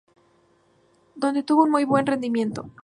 Donde tuvo un muy buen rendimiento.